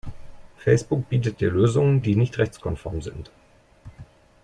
Facebook bietet dir Lösungen, die nicht rechtskonform sind.